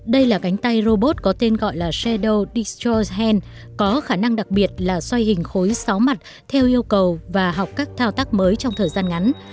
đây là cánh tay robot có tên gọi là cedo digrand có khả năng đặc biệt là xoay hình khối sáu mặt theo yêu cầu và học các thao tác mới trong thời gian ngắn